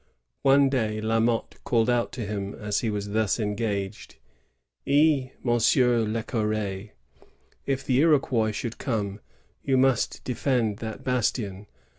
One day La Motte called out to him as he was thus engaged, ^Eh, Monsieur le cur^, if Ihe Iroquois should come, you must defend that bastion.